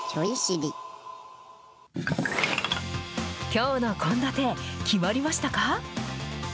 きょうの献立、決まりましたか？